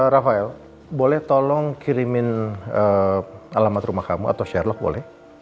rafael boleh tolong kirimin alamat rumah kamu atau sherlock boleh